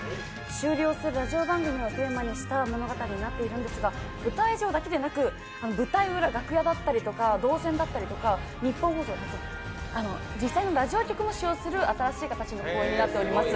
終了するラジオ番組をテーマにしたものになっているんですが舞台上だけでなく、舞台裏、楽屋だったりとか動線だったり、実際のラジオ局も使用する新しい形の公演となっています。